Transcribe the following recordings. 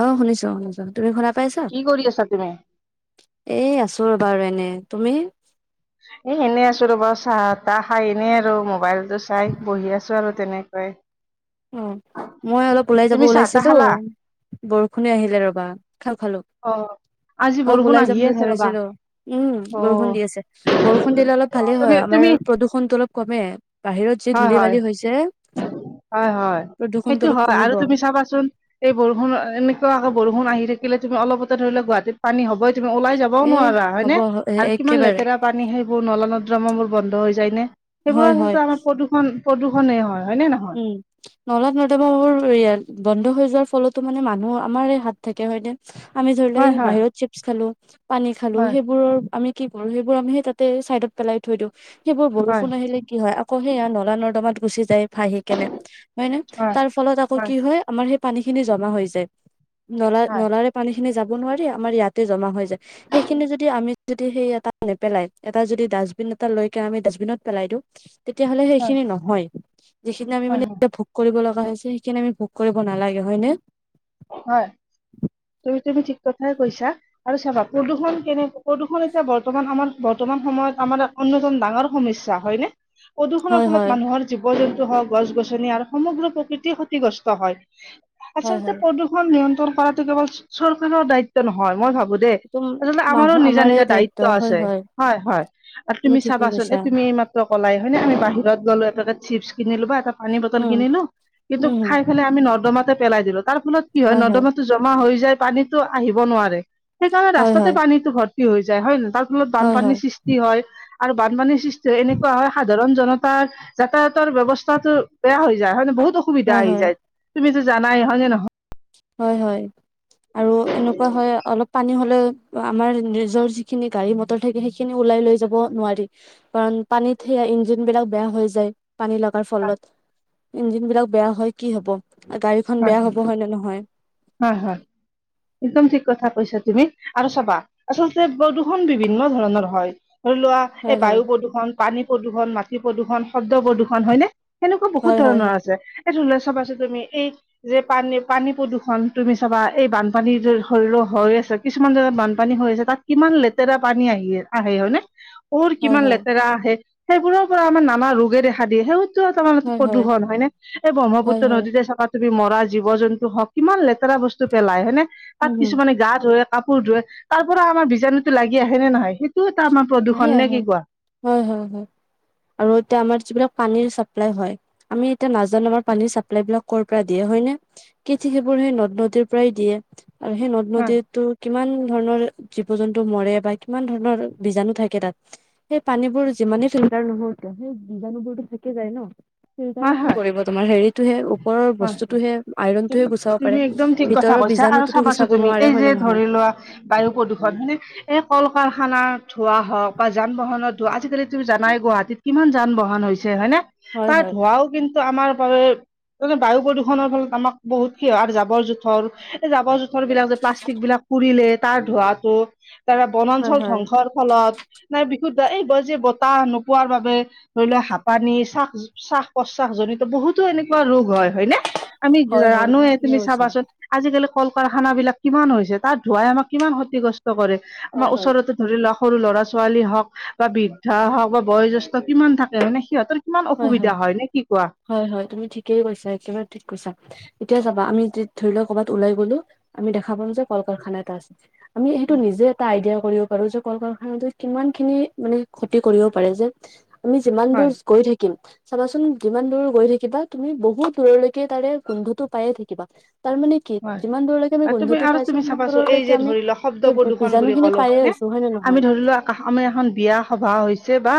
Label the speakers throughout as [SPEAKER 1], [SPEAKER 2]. [SPEAKER 1] অ শুনিছো শুনিছো। তুমি শুনা পাইছা?
[SPEAKER 2] কি কৰি আছা তুমি?
[SPEAKER 1] এই আছো ৰবা বাৰু এনে। তুমি?
[SPEAKER 2] এই এনেই আছো ৰ'বা চাহ তাহ খাই এনেই আৰু মোবাইল টো চাই বহি আছো আৰু তেনেকৈ।
[SPEAKER 1] অ মই অলপ ওলাই যাব
[SPEAKER 2] তুমি চাহ তাহ
[SPEAKER 1] ওলাইছিলো,
[SPEAKER 2] খালা?
[SPEAKER 1] বৰষুণ আহিলে ৰবা খালো খালো।
[SPEAKER 2] অ আজি
[SPEAKER 1] অলপ
[SPEAKER 2] বৰষুণ
[SPEAKER 1] ওলাই যাম
[SPEAKER 2] আহিয়ে
[SPEAKER 1] বুলি
[SPEAKER 2] আছে ৰ'বা।
[SPEAKER 1] ভাবিছিলো উম
[SPEAKER 2] অ
[SPEAKER 1] বৰষুণ দি আছে বৰষুণ দিলে অলপ ভালেই
[SPEAKER 2] তুমি
[SPEAKER 1] হয় আমাৰ
[SPEAKER 2] তুমি
[SPEAKER 1] প্ৰদূষণটো অলপ কমে বাহিৰত যি
[SPEAKER 2] হয়
[SPEAKER 1] ধূলি
[SPEAKER 2] হয়
[SPEAKER 1] বালি হৈছে
[SPEAKER 2] হয় হয়
[SPEAKER 1] প্ৰদূষণটো
[SPEAKER 2] সেইটো
[SPEAKER 1] অলপ
[SPEAKER 2] হয়, আৰু
[SPEAKER 1] কমিব
[SPEAKER 2] তুমি চাবাচোন এই বৰষুণ এনেকুৱাকে বৰষুণ আহি থাকিলে তুমি অলপতে ধৰি লোৱা গুৱাহাটীত পানী হবই তুমি ওলাই যাবও
[SPEAKER 1] এ
[SPEAKER 2] নোৱাৰা হয়
[SPEAKER 1] হ'ব
[SPEAKER 2] নে আৰু কিমান
[SPEAKER 1] একেবাৰে
[SPEAKER 2] লেতেৰা পানী সেইবোৰ নলা নদ্ৰমা বোৰ বন্ধ হৈ যায় নেই সেইবোৰত
[SPEAKER 1] হয় হয়
[SPEAKER 2] কিন্তু আমাৰ প্ৰদূষণ প্ৰদূষণে হয় নে নহয়?
[SPEAKER 1] উম, নলা নৰ্দমাবোৰ বন্ধ হৈ যোৱাৰ ফলতো মানে মানুহ আমাৰ হাত থাকে হয় নে? আমি ধৰি লও
[SPEAKER 2] হয় হয়
[SPEAKER 1] বাহিৰত চিপছ খালো পানী খালো
[SPEAKER 2] হয়
[SPEAKER 1] সেইবোৰ আমি কি কৰো সেইবোৰ আমি সে তাতে চাইডত পেলাই থৈ দিওঁ সেইবোৰ বৰষুণ
[SPEAKER 2] হয়
[SPEAKER 1] আহিলে কি হয় আকৌ সেইয়া নলা নৰ্দমাত গুচি যায় ভাহি কেনে হয় নে তাৰ ফলত আকৌ কি হয় আমাৰ সেই পানী খিনি জমা হৈ যায় নলা
[SPEAKER 2] হয়
[SPEAKER 1] নলাৰে পানী খিনি যাব নোৱাৰি আমাৰ ইয়াতে জমা হৈ যায় সেইখিনি যদি আমি যদি সেই তাত নেপেলাই এটা যদি ডাষ্টবিন এটা লৈক আমি ডাষ্টবিনত পেলাই দিওঁ তেতিয়া হ'লে
[SPEAKER 2] হয়
[SPEAKER 1] সেইখিনি নহয়। যিখিনি আমি
[SPEAKER 2] হয়
[SPEAKER 1] মানে
[SPEAKER 2] হয়
[SPEAKER 1] এতিয়া ভোগ কৰিব লগা হৈছে সেইখিনি আমি ভোগ কৰিব নালাগে হয় নে?
[SPEAKER 2] হয় তুমি, তুমি ঠিক কথাই কৈছা আৰু চাবা প্ৰদূষণ কেনেকৈ প্ৰদূৰ্ষণ এতিয়া বৰ্তমান আমাৰ বৰ্তমান সময়ত আমাৰ অন্যতম ডাঙৰ সমস্যা হয় নে প্ৰদূৰষণৰ
[SPEAKER 1] হয়
[SPEAKER 2] ফলত
[SPEAKER 1] হয়
[SPEAKER 2] মানুহৰ জীৱ জন্তু হওক গছ গছনি আৰু সমগ্ৰ প্ৰকৃতিয় ক্ষতিগ্ৰস্ত হয়
[SPEAKER 1] হয়
[SPEAKER 2] আচলতে
[SPEAKER 1] হয়
[SPEAKER 2] প্ৰদূষণ নিয়ন্ত্ৰণ কৰাটো কেৱল চৰকাৰৰ দায়িত্ব নহয় মই ভাবো দেই,
[SPEAKER 1] এইটো
[SPEAKER 2] আচলতে আমাৰো
[SPEAKER 1] মানুহ
[SPEAKER 2] নিজা
[SPEAKER 1] আমাৰে
[SPEAKER 2] নিজা দায়িত্ব
[SPEAKER 1] হয়
[SPEAKER 2] আছে হয় হয় আৰু তুমি
[SPEAKER 1] ঠিকে
[SPEAKER 2] চাবাচোন
[SPEAKER 1] কৈছা
[SPEAKER 2] এই তুমি এইমাত্ৰ কলাই হয় নে আমি বাহিৰত গলো এটাে চিপছ কিনিলো বা এটা পানী বটল
[SPEAKER 1] উম
[SPEAKER 2] কিনিলো কিন্তু
[SPEAKER 1] উম হম
[SPEAKER 2] খাই ফালে আমি নৰ্দমাতে পেলাই দিলো তাৰ ফলত কি হয় নৰ্দমাটো জমা হৈ যায় পানীতো আহিব নোৱাৰে সেইকাৰণে
[SPEAKER 1] হয়
[SPEAKER 2] ৰাস্তাতে
[SPEAKER 1] হয়
[SPEAKER 2] পানীতো ভৰ্তি হৈ যায় হয় নে তাৰ ফলত
[SPEAKER 1] হয় হয়
[SPEAKER 2] বানপানীৰ সৃষ্টি হয় আৰু বানপানীৰ সৃষ্টি এনেকুৱা হয় সাধাৰণ জনতাৰ যাতায়াতৰ ব্যৱস্থাটো বেয়া হৈ যায় হয়ানে বহুত অসুবিধা
[SPEAKER 1] হয়
[SPEAKER 2] আহি
[SPEAKER 1] হয়
[SPEAKER 2] যায় তুমিতো জানাই ন হয়য় নে নহয়
[SPEAKER 1] হয় হয় আৰু এনেকুৱা হয় অলপ পানী হলে আমাৰ নিজৰ যিখিনি গাড়ী মটৰ থাকে সেইখিনি ওলাই লৈ যাব নোৱাৰি। কাৰণ পানীত সেয়া ইঞ্জিন বিলাক বেয়া হৈ যায়। পানী লগাৰ
[SPEAKER 2] হয়
[SPEAKER 1] ফলত ইঞ্জিন বিলাক বেয়া হয় কি হব গাড়ীখন বেয়া হব হয় নে নহয়।
[SPEAKER 2] হয়। হয়। একদম ঠিক কথা কৈছা তুমি আৰু চাবা আচলতে প্ৰদূষণ বিভিন্ন ধৰণৰ হয়। ধৰি লোৱা এই
[SPEAKER 1] হয় হয়
[SPEAKER 2] বায়ু প্ৰদূৰণ পানী প্ৰদূৰ্ষণ মাটি প্ৰদূৰ্ষণ শব্দ প্ৰদূৰণ হয়নে সেনেকুৱা বহুত
[SPEAKER 1] হয় হয়
[SPEAKER 2] ধৰণৰ
[SPEAKER 1] হয়
[SPEAKER 2] আছে এইটো উুল্ চাপ পাইছো তুমি এই যে পানী পানী প্ৰদূষণ তুমি চাবা এই বানপানীৰ শৰীৰ হৈ আছে কিছুমান জেগাত বানপানী হৈ আছে তাত কিমান লেতেৰা পানী আহি আহে হয় নে কৰ
[SPEAKER 1] হয়
[SPEAKER 2] কিমান
[SPEAKER 1] হয়
[SPEAKER 2] লেতেৰা আহে সেইবোৰৰ পৰা আমাৰ নামা ৰোগে দেখা দিয়ে সেই তাৰ
[SPEAKER 1] হয় হয়
[SPEAKER 2] প্ৰদূষণ হয়নেে এই
[SPEAKER 1] হয়
[SPEAKER 2] ব্ৰহ্মপুত্ৰ
[SPEAKER 1] হয়
[SPEAKER 2] নদীতে চকাা তুমি মৰা জীৱ জন্তু হক কিমান লেতেৰা বস্তু পেলায় হেনে তাত
[SPEAKER 1] উম হম
[SPEAKER 2] কিছুমানে গা ধই কাপোৰ ধোৱ তাৰ পৰা আমাৰ বীজাণুটো লাগি আহেনেে নহয় সেইটো এটা আমাৰ
[SPEAKER 1] আহে
[SPEAKER 2] প্ৰদূষণ নে
[SPEAKER 1] আহে
[SPEAKER 2] কি কোৱা
[SPEAKER 1] হয় হয় হয় আৰু এতিয়া আমাৰ যিবিলাক পানীৰ চাপ্লাই হয় আমি এতিয়া নাজানো আাৰ পানীৰ চাপ্লাই বিাক কৰ' পৰা দিয়ে হয় ন কেঠ সেইবোৰ সেই নদ নদীৰ পৰাই দিয়ে আৰু সেই নদ
[SPEAKER 2] হয়
[SPEAKER 1] নদীতো কিমান ধৰণৰ জীৱ জন্তু মৰে বা কিমান ধৰণৰ বীজাণু থাকে তাত সেই পানীবোৰ যিমানেই ফিল্টাৰ নহও কিয় সেই বিজাণু বোৰতো থাকি যায় ন
[SPEAKER 2] হয়
[SPEAKER 1] কি
[SPEAKER 2] হয়
[SPEAKER 1] কৰিব তোমাৰ হেৰিতটোহে ওপৰৰ
[SPEAKER 2] হয়
[SPEAKER 1] বস্তুতটো হে আইৰনটোহে গুচাব পাৰে ভিতৰৰ বীজাণুতটো
[SPEAKER 2] চাবাছো তুমি এই যে ধৰি লোৱা বায়ু প্ৰদূষণ হয়নে এই কল কাৰখানা ধোৱা হওক বা যান বাহনত ধৱা আজিকালি তুমি জানাই গুৱাহাটীত কিমান যান বহন হৈছে হয়নে
[SPEAKER 1] হয়
[SPEAKER 2] তাৰ
[SPEAKER 1] হয়
[SPEAKER 2] ধোঁৱাও কিন্তু আমাৰ বাবে ত বায়ু প্ৰদূষণৰ ফলত আমাক বহুত কি হয় আৰু জাবৰ জোঁথৰ এই জাবৰ জোঁথৰ বিলাক যে প্লাষ্টিক বিলাক [inaudible] পুৰিলে তাৰ ধোঁৱটো ত
[SPEAKER 1] হয়
[SPEAKER 2] বনাঞ্চল
[SPEAKER 1] হয়
[SPEAKER 2] ধ্বংসৰ ফলত নাই বিশু এই বয় যে বতাহ নোপোৱাৰ বাবে ধৰি লোৱা হাঁ পানী চাক শ্বাস প্ৰশ্বাসজন জনিত বহুতো এনেকুৱা ৰোগ হয় হয়নেে আমি
[SPEAKER 1] হয় হয়
[SPEAKER 2] ৰাানোোৱে
[SPEAKER 1] ঠিকে
[SPEAKER 2] তুমি
[SPEAKER 1] কৈছা
[SPEAKER 2] চাবাচোন আজিকালি কল কাৰখানা বিলাক কিমান হৈছে তাত ধুৱাই আমাক কিমান ক্ষতিগ্ৰস্ত কৰে আমাৰ
[SPEAKER 1] হয় হয়
[SPEAKER 2] ওচৰৰতো ধৰি লোৱাক সৰু ল'ৰা ছোৱালী হওক বা বৃদ্ধা হওক বা বয়োজ্যেষ্ঠ কিমান থাকে হয়নেে সিহঁতৰ কিমান অসুবিধা হয় নে কি কোৱা
[SPEAKER 1] হয় হয় তুমি ঠিকেই কৈছা একেবাৰে ঠিক কৈছা এতিয়া যাবা আমি ধৰি লও কৰ'বাত ওলাই গ'লো আমি দেখ পাম যে কল কাৰখানা এটা আছে আমি সেইটো নিজে এটা আইডিয়া কৰিব পাৰো যে কল কাৰখানা কিমান খিনি মানে ক্ষতি কৰিব পাৰে যে আমি যিমান দূৰ
[SPEAKER 2] হয়
[SPEAKER 1] গৈ থাকিম চাবাচোন যিমান দূৰ গৈ থাকিবা তুমি বহুত দূৰলৈকে তাৰে গোন্ধটো পায়ে থাকিবা তাৰমানানে
[SPEAKER 2] হয়
[SPEAKER 1] যিমান দূৰলৈকে আমি
[SPEAKER 2] আৰু তুমি
[SPEAKER 1] বন্ধুো
[SPEAKER 2] আৰু
[SPEAKER 1] পাইছো
[SPEAKER 2] তুমি
[SPEAKER 1] সিমান
[SPEAKER 2] চাবাচোন এই যে
[SPEAKER 1] দূৰলৈকে আমি
[SPEAKER 2] ধৰি লোৱা শব্দ
[SPEAKER 1] সেই
[SPEAKER 2] প্ৰদূষণ বুলি
[SPEAKER 1] বীজাু খিনি
[SPEAKER 2] ক'লো
[SPEAKER 1] পায়ে
[SPEAKER 2] হয়নে
[SPEAKER 1] আছো হ হয় নে নহয়
[SPEAKER 2] আমি ধৰি লোৱা আমাৰ এখন বিয়া সভা হৈছে বা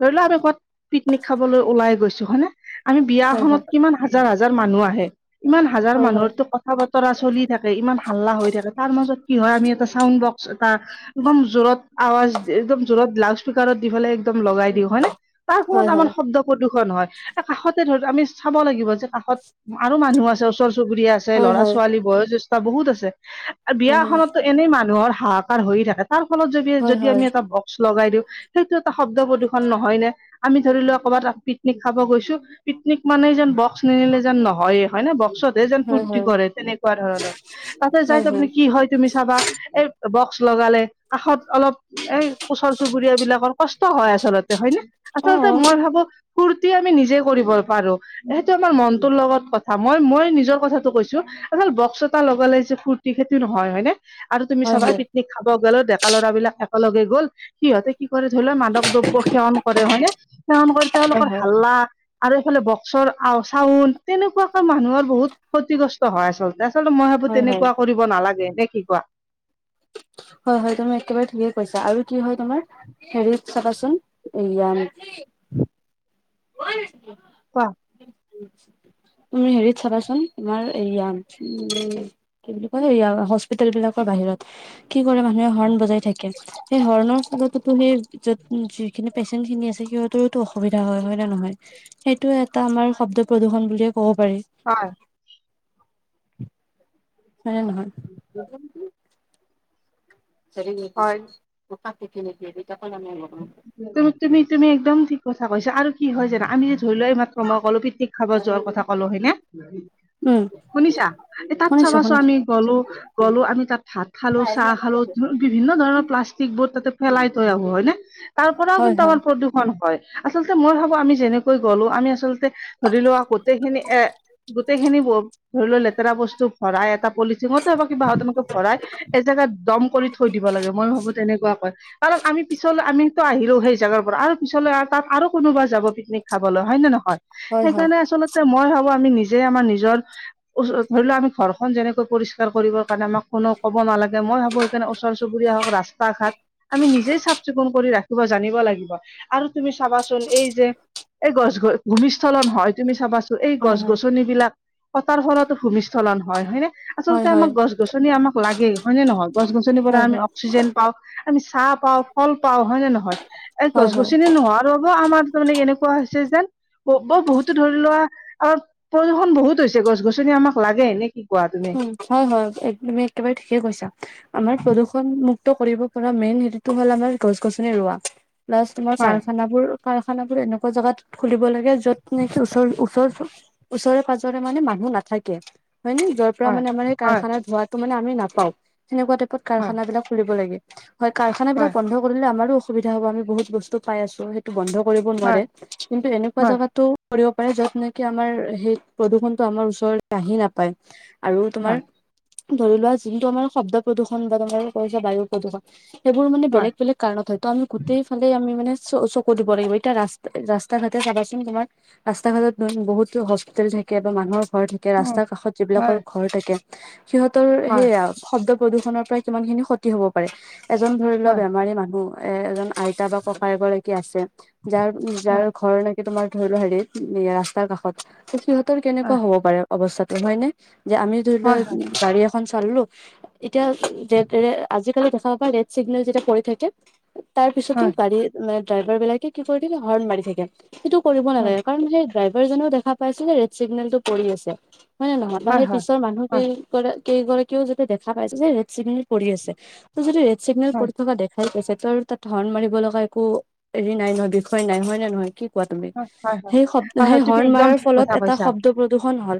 [SPEAKER 2] ধৰি লোৱা আমি ক'বাত পিকনিক খাবলৈ ওলাই গৈছো হনেে আমি
[SPEAKER 1] হয় হয়
[SPEAKER 2] বিয়াখনত কিমান হাজাৰ হাজাৰ মানুহ আহে ইমান হাজাৰ
[SPEAKER 1] হয় হয়
[SPEAKER 2] মানুহৰো কথা তা বতৰা চলি থাকে ইমান হাল্লা হৈ থাকে তাৰ মাজত কি হয়? আমি এটা চাউণ্ড বক্স এটা- একদম জোৰত আৱাজ একদম জোৰত লাউড স্পকাৰত দি পেলাই একদম লগাই দিওঁ হয় নে? তাৰ ফলত
[SPEAKER 1] হয়
[SPEAKER 2] আমাৰ শব্দ প্ৰদূ্ষণ হয়। কাষতে ধৰ আমি চাব লাগিব যে কাষত আৰু মানুহ আছে ওচৰ চুবুৰীয়া আছে। ছে।
[SPEAKER 1] হয়
[SPEAKER 2] ল'ৰা
[SPEAKER 1] হয়
[SPEAKER 2] ছোৱালী বয়োজষ্ঠ বহুত আছে। বিয়া
[SPEAKER 1] হয়
[SPEAKER 2] এখনতো এনেই মানুহৰ হাহাকাৰ হৈয়ে থাকে। তাৰ ফলত যদি
[SPEAKER 1] হয় হয়
[SPEAKER 2] যদি
[SPEAKER 1] হয়
[SPEAKER 2] আমি এটা বক্স লগাই দিওঁ। সেইটো এটা শব্দ প্ৰদূষণ নহয়নে? আমি ধৰি লোৱা ক'ৰবাত পিকনিক খাব গৈছো- পিকনিক মানে যেন বক্স নিনিলে যেন নহয়ে হয় ন। বক্সত- নিলে যেন
[SPEAKER 1] হয়
[SPEAKER 2] ফূৰ্তি
[SPEAKER 1] হয়
[SPEAKER 2] কৰে তেনেকুৱা ধৰণৰ। পাছত যাই তাৰপিনে কি হয় তুমি চাবা। এই বক্স লগালে কাষত অলপ এই ওচৰ চুবুৰীয়া বিলাকৰ কষ্ট- ত হয় আচলতে। হয় নে?
[SPEAKER 1] অ
[SPEAKER 2] আচলতে মই ভাবো- ফূুৰ্তি আমি নিজে কৰিব পাৰো সেইটো আমাৰ মনটোৰ লগত কথা। মই মই নিজৰ কথা- কৈছো। আচল বক্স এটা লগালে যে ফুৰ্তি সেইটো নহয়। হয় নে? আৰু তুমি
[SPEAKER 1] হয়
[SPEAKER 2] চাবা-
[SPEAKER 1] হয়
[SPEAKER 2] নিক খাব গলে ডেকা লৰাবলাক একেলগে গ'ল সিহঁতে কি কৰে থৰি লৈ মাদক দ- সেৱন কৰে। হয়নে? সেৱন কৰি
[SPEAKER 1] হয়
[SPEAKER 2] তেওঁলোকৰ
[SPEAKER 1] হয়
[SPEAKER 2] হাল্লা- আৰু এইফালে বক্সৰ আও চাউন তেনেকুৱাখন মানুহৰ বহুত ক্ষতিগ্ৰস্ত হয় আচলতে। আচলতে মই ভাবো
[SPEAKER 1] হয় হয়
[SPEAKER 2] তেনেকুৱা কৰিব নালাগে। নে কি কোৱা?
[SPEAKER 1] হয় হয় তুমি একেবাৰে ঠিকে কৈছা। আৰু কি হয় তোমাৰ- হেৰিত চাবাচোন এয়া-
[SPEAKER 2] কোৱা।
[SPEAKER 1] তুমি হেৰিত চাবাচোন তোমাৰ এইয়া উম- কি বুলি কয়? য়া হস্পিতেল বিলাকৰ বাহিৰত কি কৰে মানুহে হৰ্ণ বজাই থাকে। সেই হৰ্ণৰ ফলতোতো সেই যত যিখিনি পেচেণ্ট খিনি আছে সিহঁতৰোতো অসুবিধা হয়। হয়- নে নহয়? সেইটোয়ে এটা আমাৰ শব্দ প্ৰদূৰন বুলিয়ে ক'ব পাৰি।
[SPEAKER 2] হয়।
[SPEAKER 1] হয় নে নহয়?
[SPEAKER 2] হয়
[SPEAKER 1] [unintelligible]
[SPEAKER 2] তুমি তুমি তুমি একদম ঠিক কথা কৈছা। আৰু কি হয় জানা আম যে ধৰি লোৱা এই মাত্ৰ মই কলো পিকনিক- খাব যোৱাৰ কথা কলো। হয়নে?
[SPEAKER 1] উম
[SPEAKER 2] শুনিছা? এ তাত
[SPEAKER 1] শুনিছো
[SPEAKER 2] চাবাচো
[SPEAKER 1] শুনিছো
[SPEAKER 2] আমি- গলো গলো আমি তাত ভাত খালো চাহ খালো- বিভিন্ন ধৰণৰ প্লাষ্টিক বৰ্ড তাতে ফেলাই তৈ আহো। হয় নে? তাৰ পৰাও
[SPEAKER 1] হয়
[SPEAKER 2] কিন্তু
[SPEAKER 1] হয়
[SPEAKER 2] আমাৰ প্ৰদূষণ হয়। আচলতে মই ভাবো আমি যেনেকৈ গলো আমি আচলতে- ধৰি লোৱা গোটেই খিনি এ গোটেই খিনি ধৰি লোৱা লেতেৰা বস্তু ভৰাই এটা- পলিচিঙতে কিবাহঁত এনেকে ভৰাই এজেগাত দম কৰি থৈ দিব লাগে। মই ভাবো তেনেকুৱা কয়। কাৰণ আমি পিছলে- আমিতো আহিলো সেই জাগাৰ পৰা। আৰু পিছলৈ আৰু তাত আৰু কোনোবা যাব পিকনিক খাবলৈ। হয় নে নহয়?
[SPEAKER 1] হয় হয়
[SPEAKER 2] সেইকাৰণে আচলতে মই ভাবো আমি নিজে আমাৰ নিজৰ- ধৰি লও আমি ঘৰখন যেনেকৈ পৰিষ্কাৰ কৰিবৰ কাৰণে আমাক কোনো ক'ব নালাগে মই ভাবো- যেন ওচৰ চবুৰীয়া হওক ৰাস্তা ঘাট আমি নিজেই চফ- চিকুণ কৰি ৰাখিব জানিব লাগিব। আৰু তুমি চাবাচোন এই যে- এই গছ ভূমিস্খলন হয় তুমি চাবাচোন। এই
[SPEAKER 1] হয়
[SPEAKER 2] গছ
[SPEAKER 1] হয়
[SPEAKER 2] গছনিবলাক কতাৰ ফলতো ভূমিস্খলন হয়। হয় নে?
[SPEAKER 1] হয়
[SPEAKER 2] আচলতে
[SPEAKER 1] হয়
[SPEAKER 2] আমাক
[SPEAKER 1] হয়
[SPEAKER 2] গছ গছনি আমাক লাগেই। হয় নে নহয়? গছ গছনিৰ পৰা
[SPEAKER 1] হয়
[SPEAKER 2] আমি অক্সিজেন পাওঁ, আমি চাহ পাও, ফল পাওঁ। হয় নে নহয়? এই
[SPEAKER 1] হয়
[SPEAKER 2] গছ
[SPEAKER 1] হয়
[SPEAKER 2] গছনিৰ- নোহোৱা হোৱাৰ আমাৰ তাৰমানে এনেকুৱা হৈছে যেন ব বহুতো ধৰি লোৱা- অ প্ৰদূষণ বহুত হৈছে গছ -গছনি আমাক লাগে এনে কি কোৱা তুমি?
[SPEAKER 1] উ হয় হয় তুমি একেবাৰে ঠিকে কৈছা। আমাৰ প্ৰদূষণ মুুক্ত কৰিব পৰা মেইন হেটটো হ'ল আমাৰ গছ গছনি ৰোৱা। প্লা তোমাৰ
[SPEAKER 2] হয়
[SPEAKER 1] কাৰখানা বোৰ কাৰখানা বোৰ এনেকুৱা জোগাত খুলিব লাগে যত নেকি ওচৰ ওচৰ ওচৰে পাজৰে মানে মানুহ নাথাকে হয় নে য পোৱা
[SPEAKER 2] হয়
[SPEAKER 1] মানে আমাৰ এই
[SPEAKER 2] হয়
[SPEAKER 1] কাৰখানা ধোৱাটো মানে আমি নাপাওঁ সেনেকুৱা টাইপত
[SPEAKER 2] হয়
[SPEAKER 1] কাৰখানা বিলাক খুলিব লাগে হয় কাৰখানা বিলাক
[SPEAKER 2] হয়
[SPEAKER 1] বন্ধ কৰিলে আমাৰো অসুবিধা হ'ব আমি বহুত বস্তু পাই আছো সেইটো বন্ধ কৰিব
[SPEAKER 2] হয়
[SPEAKER 1] নোৱাৰে কিন্তু এনেকুৱা
[SPEAKER 2] হয়
[SPEAKER 1] জোগাতো কৰিবব পাৰে যত নেকি আমাৰ সেই প্ৰদূষণতটো আমাৰ ওচৰৰ আহি নাপায় আৰু তোমাৰ
[SPEAKER 2] হয়
[SPEAKER 1] ধৰি লোৱা যোনটো আমাৰ শব্দ প্ৰদূষণ বা তোমাৰ কৈছ বায়ু প্ৰদূষণ সেইবোৰ মানে
[SPEAKER 2] হয়
[SPEAKER 1] বেলেগ বেলেগ কাৰণত হয় তো আমি গোটেই ফালে আমি মানে চ চকু দিব লাগিব এতিয়া ৰাস্ত ৰাস্তা ঘাটে চাবাচোন তোমাৰ ৰাস্তা ঘাটত বহুতো হস্পিতেল থাকে বা মানুহৰ ঘৰ থাকে
[SPEAKER 2] উম
[SPEAKER 1] ৰাস্তাৰ কাষত যিবিলাকৰ
[SPEAKER 2] হয়
[SPEAKER 1] ঘৰ থাকে সিহঁতৰ
[SPEAKER 2] হয় হয়
[SPEAKER 1] সেইয়া শব্দ প্ৰদূষনৰৰ পৰা কিমান খিনি ক্ষতি হ'ব পাৰে এজন ধৰি লোৱা
[SPEAKER 2] হয়
[SPEAKER 1] বেমাৰী মানুহ এ এজন আইতা বা ককা এগৰাকি আছে যাৰ যাৰ
[SPEAKER 2] হয়
[SPEAKER 1] ঘৰলৈ তোমাৰ ধৰি লোৱা হেৰিত ৰাস্তাৰ কাষত ত সিহঁতৰ কেনেকুৱা
[SPEAKER 2] হয়
[SPEAKER 1] হ'ব পাৰে অৱস্থাটো হয় ন যে আমি ধৰি
[SPEAKER 2] হয়
[SPEAKER 1] লোৱাক
[SPEAKER 2] হয়
[SPEAKER 1] গাড়ী খন চললো এতিয়া ৰে ৰে আজিকালি দেখা পোৱা ৰেড চিগনেল যেতিয়া পৰি থাকে তাৰ পিছতো
[SPEAKER 2] হয়
[SPEAKER 1] গাড়ী মানে ড্ৰাইভাৰ বিলাকে কি কৰি দিলে হৰ্ণ মাৰি থাকে সেইটো কৰিব নালাগে কাৰণ সেই ড্ৰাইভাৰজনেও দেখা পাইছে যে ৰেড চিগনেল টো পৰি আছে হয় নে নহয় বা
[SPEAKER 2] হয় হয়
[SPEAKER 1] সেই পিছৰ মানুহ
[SPEAKER 2] হয়
[SPEAKER 1] কেইৰাক কেইগৰাকীও যাতে দেখা পাইছে যে ৰেড চিগনে পৰি আছে যদি ৰেড চিগনেল
[SPEAKER 2] হয়
[SPEAKER 1] পৰি থকা দে খৈছে তো তাত হৰ্ণ মাৰিব লগা একো হেৰি নাই নহয় বিষয় নাই হয় নে নহয় কি কোৱা তুমি
[SPEAKER 2] হয় হয়
[SPEAKER 1] সেই শব্দ সেই
[SPEAKER 2] হয় তুমি
[SPEAKER 1] হৰ্ণ
[SPEAKER 2] একদম
[SPEAKER 1] মাৰাৰ
[SPEAKER 2] ঠিক
[SPEAKER 1] ফলত
[SPEAKER 2] কথা
[SPEAKER 1] এটা
[SPEAKER 2] কৈছা
[SPEAKER 1] শব্দ প্ৰদূ্ষন হ'ল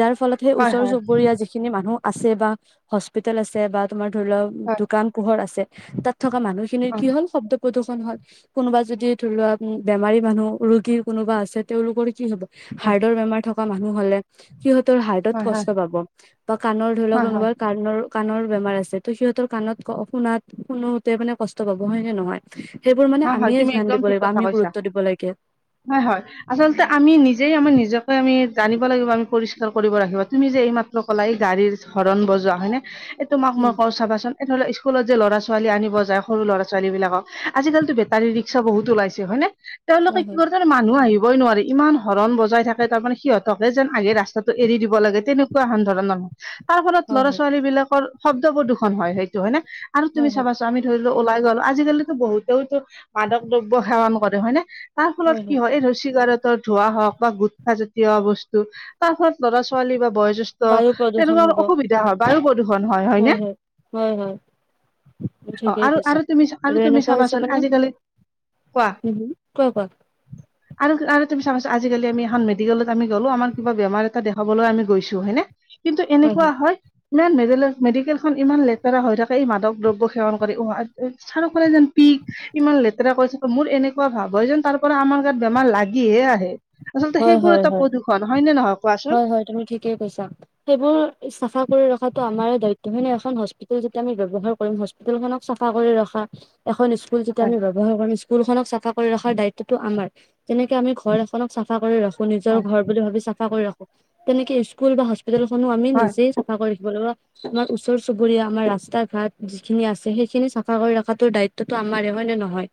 [SPEAKER 1] যাৰ ফলত সেই
[SPEAKER 2] হয়
[SPEAKER 1] ওচৰ
[SPEAKER 2] হয়
[SPEAKER 1] চুবুৰীয়া যিখিনি মানুহ আছে বা হস্পিতেল আছে বা তোমাৰ ধৰি লোৱা
[SPEAKER 2] হয়
[SPEAKER 1] দোকান কোহৰ আছে তাত থকা মানুহখিনিৰ
[SPEAKER 2] হয়
[SPEAKER 1] কি হ'ল শব্দ প্ৰদূষণ হ'ল কোনোবা যদি ধৰি লোৱা বেমাৰী মানুহ ৰোগীৰ কোনোবা আছে তেওঁলোকৰ কি হ'ব
[SPEAKER 2] হয়
[SPEAKER 1] হাৰ্টৰ বেমাৰ থকা মানুহ হ'লে সিহঁতৰ হাৰ্
[SPEAKER 2] হয় হয়
[SPEAKER 1] কষ্ট পাব বা কাণৰ ধৰি লওঁক
[SPEAKER 2] হয় হয়
[SPEAKER 1] কোনোবাত কাণৰ কাণৰ বেমাৰ আছে ত' সিহঁতৰ কাণত শুনাত শুনোতে মানে কষ্ট পাব হয় নে নহয় সেইবোৰ মানে
[SPEAKER 2] হয় হয়
[SPEAKER 1] আমিয়ে
[SPEAKER 2] তুমি
[SPEAKER 1] ধ্যান
[SPEAKER 2] একদম
[SPEAKER 1] দিব
[SPEAKER 2] ঠিক
[SPEAKER 1] লাগিব
[SPEAKER 2] কথা
[SPEAKER 1] আমি
[SPEAKER 2] কৈছা
[SPEAKER 1] গুৰুত্ব দিব লাগে
[SPEAKER 2] হয় হয়। আচলতে আমি নিজেই আমাৰ নিজকে আমি জানিব লাগিব আমি পৰিষ্কাৰ কৰিব ৰাখিব তুমি যে এই মাত্ৰ লাই গাড়ীৰ হৰণ বজোৱা হয় নে তোমাক মই
[SPEAKER 1] উম
[SPEAKER 2] কওঁ চাবাচোন এনে হ'লে স্কুলত যে ল'ৰা- ছোৱালী আনিব যায় সৰু ল'ৰা -ছোৱালী বিলাকক আজিকালিটো বেটাৰী ৰিক্সা বহুত ওলাইছে হয়নে তেওঁলোকে
[SPEAKER 1] কোৱা
[SPEAKER 2] কি
[SPEAKER 1] হয়
[SPEAKER 2] কৰে মানুহ আহিবই নোৱাৰে ইমান হৰণ বজাই থাকে তাৰমানে সিহঁতকে যেন আগে ৰাস্তাটো এৰি দিব লাগে তেনেকুৱা ক ধৰ নহয় তাৰ ফলত
[SPEAKER 1] হয়
[SPEAKER 2] ল'ৰা
[SPEAKER 1] হয়
[SPEAKER 2] -ছোৱালী বিলাকৰ শব্দ প্ৰদূষণ হয় সেইটো হয় নে আৰু
[SPEAKER 1] হয়
[SPEAKER 2] তুমি
[SPEAKER 1] হয়
[SPEAKER 2] চাবাচোন মি ধৰি লো ওলাই গলো আজিকালিতো বহুতেওতো মাদক দ্ৰব্য সেৱন কৰে হয় ন তাৰ ফলত কি হয় এই ৰছীগাৰত ধোৱা হওঁক বা গুট খাজাতীয় বস্তু তাৰ ফত ল'ৰা -ছোৱালী বা বয়ো্ষ্ঠ
[SPEAKER 1] বায়ু প্ৰদূষণ
[SPEAKER 2] তেনেকুৱা অ
[SPEAKER 1] হ'ব
[SPEAKER 2] অসুবিধা হয় বায়ু প্ৰদূষণ হয় হয়নে
[SPEAKER 1] হয় হয়
[SPEAKER 2] অ
[SPEAKER 1] ঠিকেই
[SPEAKER 2] আৰু
[SPEAKER 1] কৈছা
[SPEAKER 2] আৰু তুমি
[SPEAKER 1] আৰু
[SPEAKER 2] তুমি
[SPEAKER 1] এনেকুৱা হৈছে
[SPEAKER 2] চাবাচোন
[SPEAKER 1] মানে
[SPEAKER 2] আজিকালি কোৱা
[SPEAKER 1] উম ক কোৱা
[SPEAKER 2] আৰু তুমি চাবাছোন আজিকালি এখন মেডিকেলত আমি গ'লো আমাৰ কিবা বেমাৰ এটা দেখাবলৈ আমি গৈছোঁ হয় নে কিন্তু এনেকুৱা হয় ইমান মেডেল মেডিকেলখনন ইমান লেতেৰা হৈ থাকে এই মাদক দ্ৰব্য সেৱন কৰি উ চাৰুফালে যেন পিক ইমান লেতেৰা কৰিছে মোৰ এনেকুৱা ভাৱ হয় যেন তাৰ পৰা আমাৰ গাত বেমাৰ লাগিহে আহে আচলতে
[SPEAKER 1] হয়
[SPEAKER 2] সেইবোৰ
[SPEAKER 1] হয়
[SPEAKER 2] এটা
[SPEAKER 1] হয়
[SPEAKER 2] প্ৰদূৰ্ষণ হয়নে নহয় কোৱাচোন
[SPEAKER 1] হয় হয় তুমি ঠিকেই কৈছা সেইবোৰ চাফা কৰি ৰখাতটো আমাৰ দায়িত্ব হয় নে এখন হস্পিতেল যেতিয়া আমি ব্যৱহাৰ কৰিম খনক চাফা কৰি ৰখা এখন স্কুল যেতিয়া
[SPEAKER 2] হয়
[SPEAKER 1] আমি ব্যৱহাৰ কৰিম স্কু ল খনক চাফা কৰি ৰখাৰ দায়িত্বটো আমাৰ যেনেকে আমি ঘৰ এখনক চাফা কৰি ৰাখা নিজৰ
[SPEAKER 2] হয়
[SPEAKER 1] ঘৰ বুলি ভাবি চাফা কৰি ৰাখো তেনেকে স্কুল বা হস্পিতেল খনো আমি
[SPEAKER 2] হয়
[SPEAKER 1] নিজেই চাফা কৰি ৰাখিব লাগিব। আমাৰ ওচৰ চুবুৰীয়া আমাৰ ৰাস্তা ঘাট যিখিনি আছে সেইখিনি চাফা কৰি ৰাখাটো দায়িত্বটো আমাৰে হয় নে নহয়।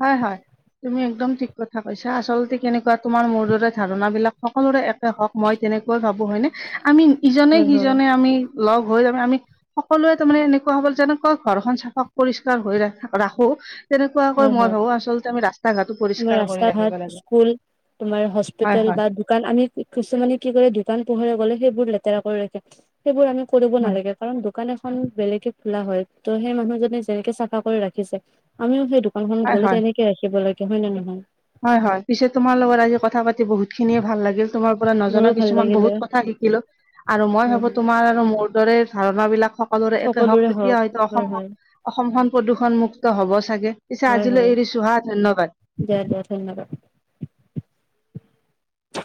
[SPEAKER 2] হয় হয়। তুমি একদম ঠিক কথা কৈছা আচলতে কেনেকুৱা তোমাৰ মোৰ দৰে ধাৰণা বিলাক সকলোৰে এক হওঁক মই তেনেকৈ ভাবোঁ হয়নে আমি ইজনে
[SPEAKER 1] হয় হয়
[SPEAKER 2] সিজনে আমি লগ হৈ আমি সকলোৱে তাৰমানে এনেকুৱা হ'বল যেনেকুৱা ঘৰখন চাফ পৰিষ্কাৰ হৈ ৰা ৰাখো তেনেকুৱা মই
[SPEAKER 1] হয় হয়
[SPEAKER 2] ভাবো আচলতে আমি ৰাস্তা ঘটো
[SPEAKER 1] আমাৰ
[SPEAKER 2] পৰিষ্কাৰ কৰি
[SPEAKER 1] ৰাস্তা ঘাট
[SPEAKER 2] ৰাখিব লাগে হয় হয়।
[SPEAKER 1] কাৰণ আমি কিছুমানে কি কৰে দোকান পোহৰে গ'লে সেইবোৰ লেতেৰা কৰি ৰাখে সেইবোৰ আমি কৰিব
[SPEAKER 2] হয়,
[SPEAKER 1] নালাগে। কাৰণ দোকান এখন বেলেগে খোলা হয় ত' সেই মানুহজনে যেনেকে চাফা কৰি ৰাখিছে আমিও সেই খনত
[SPEAKER 2] হয়,
[SPEAKER 1] গ'লে
[SPEAKER 2] হয়।
[SPEAKER 1] তেনেকে ৰাখিব লাগে হয় নে নহয়।
[SPEAKER 2] হয় হয় পিছে তোমাৰ লগত আজি কথাতি বহুত খিনিয়ে ভাল লাগিল তোমাৰ পৰা নজনা
[SPEAKER 1] মোৰো ভাল
[SPEAKER 2] কিছুমান
[SPEAKER 1] লাগিলে
[SPEAKER 2] বহুত কথা শিকিলো আৰু মই
[SPEAKER 1] হয়
[SPEAKER 2] ভাবো তোমাৰ আৰু মোৰ দৰে ধাৰণাবিলাক সকলোৰে একে হওঁক তেতিয়া
[SPEAKER 1] হওক
[SPEAKER 2] হয়তো
[SPEAKER 1] হয়
[SPEAKER 2] অসমখন
[SPEAKER 1] হয়
[SPEAKER 2] অসমখন প্ৰদূষণ মুক্ত হ'ব চাগে পিছে
[SPEAKER 1] হয় হয়
[SPEAKER 2] আজিলৈ এৰিছো হা ধন্যবাদ।
[SPEAKER 1] দিয়া দিয়া ধন্যবাদ।